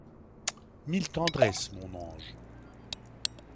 Mille tendresses, mon ange.